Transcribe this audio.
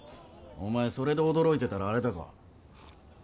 お前それで驚いてたらあれだぞ。